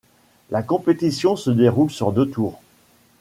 La compétition se déroule sur deux tours.